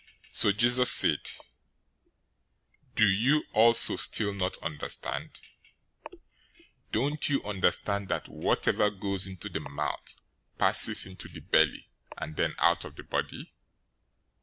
015:016 So Jesus said, "Do you also still not understand? 015:017 Don't you understand that whatever goes into the mouth passes into the belly, and then out of the body?